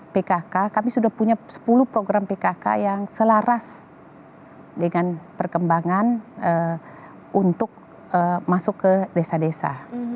pkk kami sudah punya sepuluh program pkk yang selaras dengan perkembangan untuk masuk ke desa desa